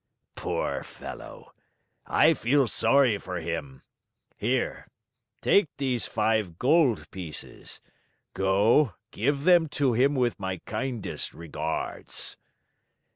"Poor fellow! I feel sorry for him. Here, take these five gold pieces. Go, give them to him with my kindest regards."